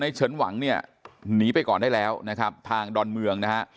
เฉินหวังเนี่ยหนีไปก่อนได้แล้วนะครับทางดอนเมืองนะฮะ